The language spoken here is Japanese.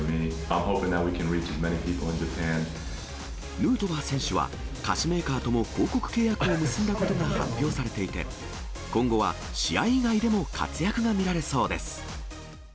ヌートバー選手は、菓子メーカーとも広告契約を結んだことが発表されていて、今後は試合以外でも活躍が見られそうです。